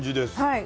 はい。